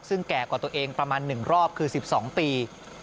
ซึ่งแก่กว่าตัวเองประมาณ๑รอบคือ๑๒ปี